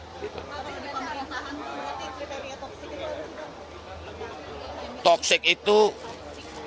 apa yang diperlukan untuk menurut anda